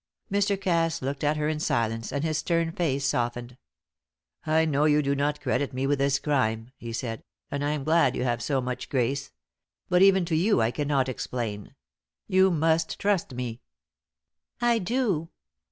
Mr. Cass looked at her in silence, and his stern face softened. "I know you do not credit me with this crime," he said, "and I am glad you have so much grace. But even to you I cannot explain. You must trust me." "I do.